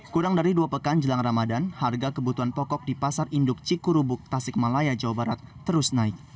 kurang dari dua pekan jelang ramadan harga kebutuhan pokok di pasar induk cikurubuk tasik malaya jawa barat terus naik